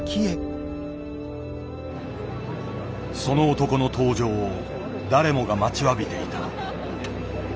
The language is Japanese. その男の登場を誰もが待ちわびていた。